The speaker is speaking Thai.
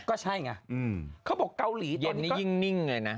ก็ใช่ไงเขาบอกเกาหลีเย็นนี้ยิ่งนิ่งเลยนะ